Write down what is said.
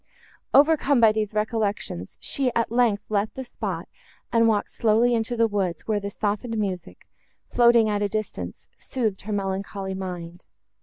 Overcome by these recollections, she, at length, left the spot, and walked slowly into the woods, where the softened music, floating at a distance, soothed her melancholy mind.